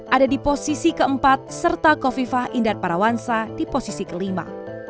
ada di posisi keempat serta kofifah indar parawansa di posisi kelima